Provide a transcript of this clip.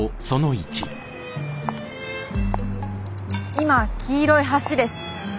今黄色い橋です。